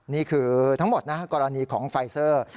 นี่คือทั้งหมดนะกรณีของไฟเซอร์